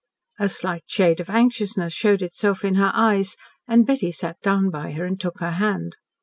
A slight shade of anxiousness showed itself in her eyes, and Betty sat down by her and took her hand.